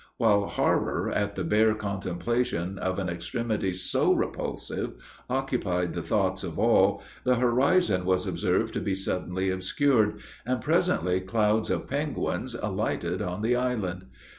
While horror at the bare contemplation of an extremity so repulsive occupied the thoughts of all, the horizon was observed to be suddenly obscured, and presently clouds of penguins alighted on the island.